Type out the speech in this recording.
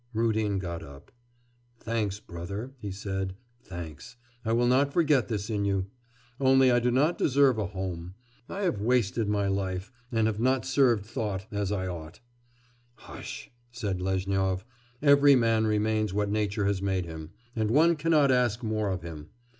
Rudin got up. 'Thanks, brother,' he said, 'thanks! I will not forget this in you. Only I do not deserve a home. I have wasted my life, and have not served thought, as I ought.' 'Hush!' said Lezhnyov. 'Every man remains what Nature has made him, and one cannot ask more of him!